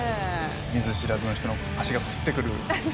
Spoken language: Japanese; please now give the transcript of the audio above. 見ず知らずの人の足がふってくる。